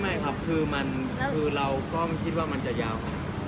ไม่ครับคือเราก็ไม่คิดว่ามันจะยาว